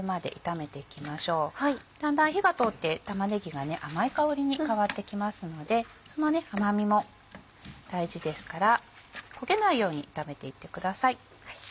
だんだん火が通って玉ねぎが甘い香りに変わってきますのでその甘みも大事ですから焦げないように炒めていってください。